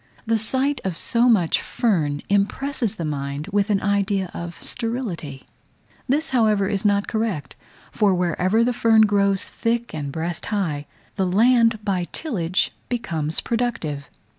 The sight of so much fern impresses the mind with an idea of sterility: this, however, is not correct; for wherever the fern grows thick and breast high, the land by tillage becomes productive.